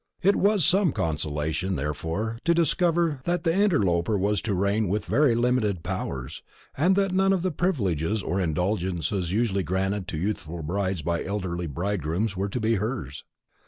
It was some consolation, therefore, to discover that the interloper was to reign with very limited powers, and that none of the privileges or indulgences usually granted to youthful brides by elderly bridegrooms were to be hers.